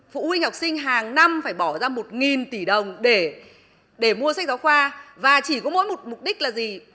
phụ huynh học sinh hàng năm phải bỏ ra một tỷ đồng để mua sách giáo khoa và chỉ có mỗi một mục đích là gì